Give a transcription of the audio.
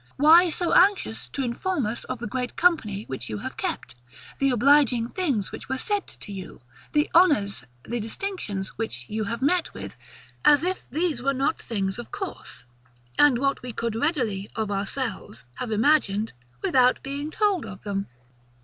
Why so anxious to inform us of the great company which you have kept; the obliging things which were said to you; the honours, the distinctions which you met with; as if these were not things of course, and what we could readily, of ourselves, have imagined, without being told of them?